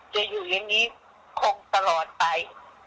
จะอยู่ในนี้คงตลอดไป